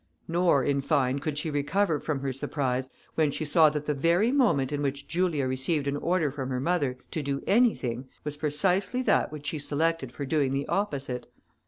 Nor, in fine, could she recover from her surprise, when she saw that the very moment in which Julia received an order from her mother to do anything, was precisely that which she selected for doing the opposite.